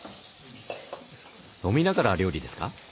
飲みながら料理ですか？